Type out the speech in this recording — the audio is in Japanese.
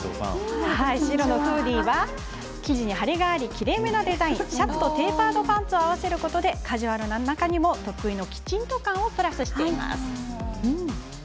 白のフーディーは生地に張りがあり、きれいめなデザインシャツとテーパードパンツを合わせることでカジュアルな中にも得意なきちんと感をプラスしています。